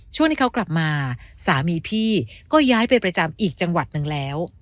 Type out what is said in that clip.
ช่วงที่เขากลับมาสามีพี่ก็ย้ายไปประจำอีกจังหวัดหนึ่งแล้ว